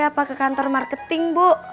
atau kantor marketing